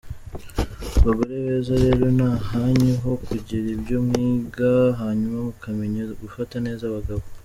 Bagore beza rero ni ahanyu ho kugira ibyo mwiga hanyuma mukamenya gufata neza abagabo.